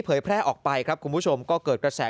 แพร่ออกไปครับคุณผู้ชมก็เกิดกระแส